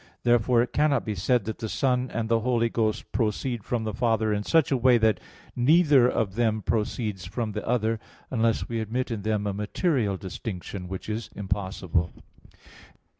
Therefore it cannot be said that the Son and the Holy Ghost proceed from the Father in such a way as that neither of them proceeds from the other, unless we admit in them a material distinction; which is impossible.